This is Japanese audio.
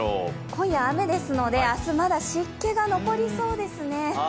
今夜雨ですので、明日朝、まだ湿気が残りそうですね。